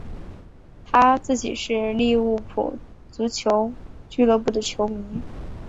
他自己是利物浦足球俱乐部的球迷。